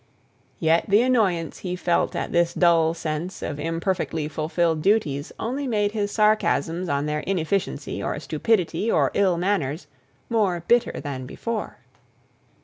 Yet the annoyance he felt at this dull sense of imperfectly fulfilled duties only made his sarcasms on their inefficiency, or stupidity, or ill manners, more bitter than before.